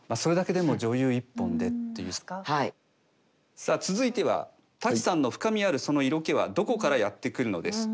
さあ続いては「舘さんの深みあるその色気はどこからやってくるのですか？」。